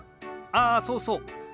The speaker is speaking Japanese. ああそうそう。